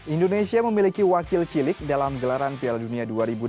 indonesia memiliki wakil cilik dalam gelaran piala dunia dua ribu delapan belas